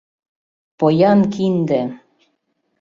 — Поян кинде!